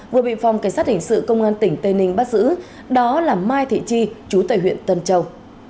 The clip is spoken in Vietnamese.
vừa bị phòng cảnh sát hình sự công an tp cà mau bắt giữ đó là mai thị chi chú tại huyện tân châu